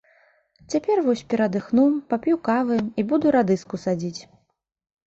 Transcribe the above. Цяпер вось перадыхну, пап'ю кавы і буду радыску садзіць.